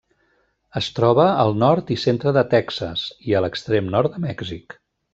Es troba al nord i centre de Texas, i a l'extrem nord de Mèxic.